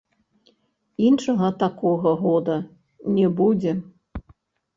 Іншага такога года не будзе.